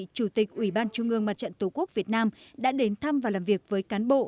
chủ tịch ủy ban trung ương mặt trận tổ quốc việt nam đã đến thăm và làm việc với cán bộ